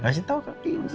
kasih tau kan